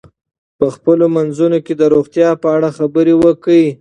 په خپلو منځونو کې د روغتیا په اړه خبرې وکړئ.